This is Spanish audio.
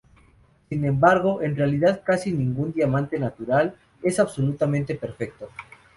Sin embargo, en realidad casi ningún diamante natural es absolutamente perfecto.